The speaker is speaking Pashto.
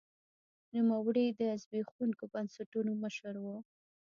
نوموړي د زبېښونکو بنسټونو مشر و.